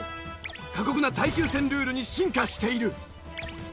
過酷な耐久戦ルールに進化している。